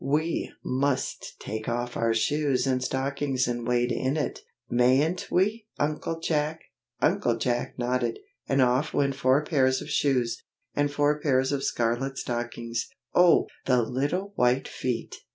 "We must take off our shoes and stockings and wade in it. Mayn't we, Uncle Jack?" Uncle Jack nodded, and off went four pairs of shoes, and four pairs of scarlet stockings. Oh? the little white feet!